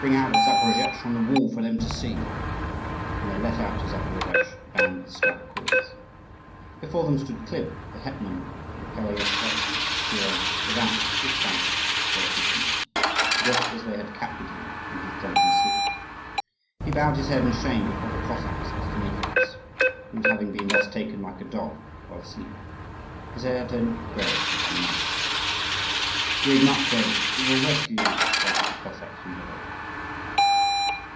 Bring out a Zaporozhetz on the wall for them to see." And they let out a Zaporozhetz bound with stout cords. Before them stood Khlib, the hetman of the Pereyaslavsky kuren, without his trousers or accoutrements, just as they had captured him in his drunken sleep. He bowed his head in shame before the Cossacks at his nakedness, and at having been thus taken like a dog, while asleep. His hair had turned grey in one night. "Grieve not, Khlib: we will rescue you," shouted the Cossacks from below.